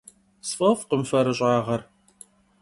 Sf'ef'khım ferış'ağer.